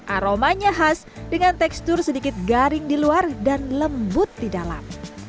aromanya khas dengan tekstur sedikit garing di luar dan lembut di dalam